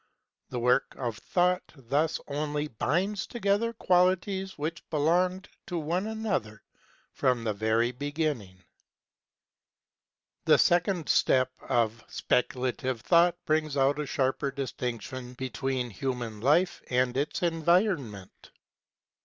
The work of Thought thus only binds together qualities which belonged to one another from the very beginning. The second step of Speculative Thought brings out a sharper distinction between SPECULATIVE PHILOSOPHY 33 human life and its environment.